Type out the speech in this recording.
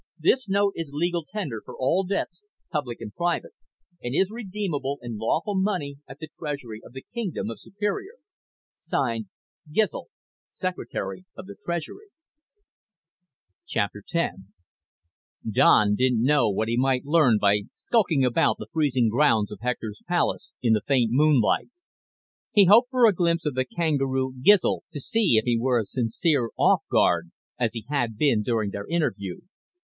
This Note is Legal Tender for all Debts, Public and Private, and is Redeemable in Lawful Money at the Treasury of the Kingdom of Superior._ (Signed) Gizl, Secretary of the Treasury." X Don didn't know what he might learn by skulking around the freezing grounds of Hector's palace in the faint moonlight. He hoped for a glimpse of the kangaroo Gizl to see if he were as sincere off guard as he had been during their interview.